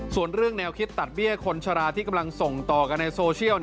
ส่วนเรื่องแนวคิดตัดเบี้ยคนชะลาที่กำลังส่งต่อกันในโซเชียล